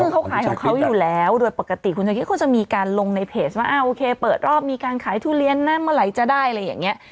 เขาขายของเขาอยู่แล้วโดยปกติคุณชะคิดเขาจะมีการลงในเพจว่าโอเคเปิดรอบมีการขายทุเรียนนะเมื่อไหร่จะได้อะไรอย่างนี้